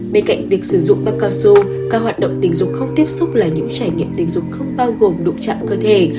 bên cạnh việc sử dụng park cao su các hoạt động tình dục không tiếp xúc là những trải nghiệm tình dục không bao gồm đụng chạm cơ thể